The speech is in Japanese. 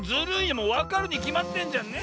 もうわかるにきまってんじゃんねえ。